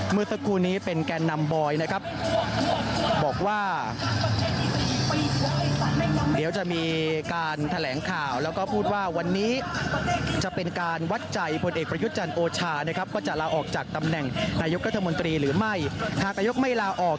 เมื่อสักครู่นี้เป็นแก่นำบอยนะครับบอกว่าเดี๋ยวจะมีการแถลงข่าวแล้วก็พูดว่าวันนี้จะเป็นการวัดใจพลเอกประยุทธ์จันทร์โอชานะครับว่าจะลาออกจากตำแหน่งนายกรัฐมนตรีหรือไม่หากนายกไม่ลาออก